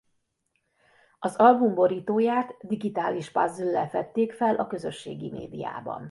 Az album borítóját digitális puzzle-lel fedték fel a közösségi médiában.